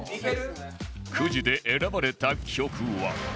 くじで選ばれた曲は